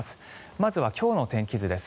まずは今日の天気図です。